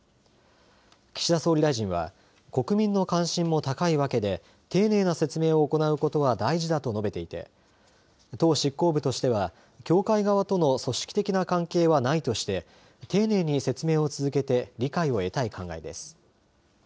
岸田総理大臣は国民の関心も高いわけで丁寧な説明を行うことは大事だと述べていて党執行部としては教会側との組織的な関係はないとして丁寧に説明を続けて理解を得たい考えです。